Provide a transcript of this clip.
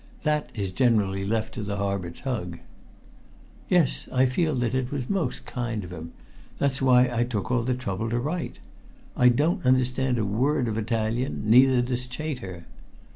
That is generally left to the harbor tug." "Yes, I feel that it was most kind of him. That's why I took all the trouble to write. I don't understand a word of Italian, neither does Chater."